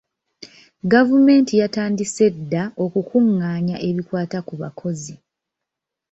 Gavumenti yatandise dda okukungaanya ebikwata ku bakozi.